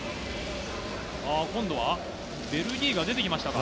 今度はベルギーが出てきましたか。